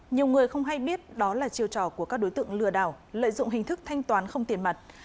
nhiều người không hay biết đó là chiêu trò của các đối tượng lừa đảo lợi dụng hình thức thanh toán không tiền mặt